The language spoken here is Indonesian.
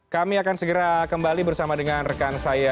kami akan segera kembali bersama dengan rekan saya